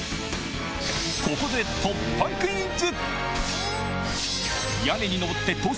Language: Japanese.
ここで突破クイズ！